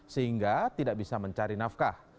sehingga tidak bisa mencari nafkah